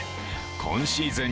今シーズン